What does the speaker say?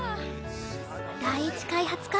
第一開発課